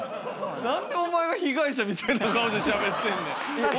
何でお前が被害者みたいな顔してしゃべってんねん。